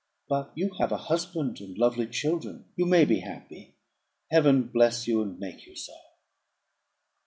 But you have a husband, and lovely children; you may be happy: Heaven bless you, and make you so!